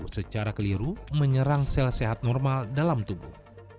secara keliru menyerang sel sehat normal dalam tubuh